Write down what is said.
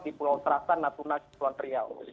di pulau serasan natuna kepulauan riau